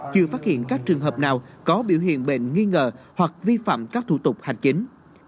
chưa phát hiện các trường hợp nào có biểu hiện bệnh nghi ngờ hoặc vi phạm các thủ tục hành chính